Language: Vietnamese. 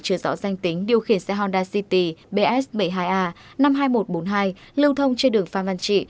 chưa rõ danh tính điều khiển xe honda city bs bảy mươi hai a năm mươi hai nghìn một trăm bốn mươi hai lưu thông trên đường phan văn trị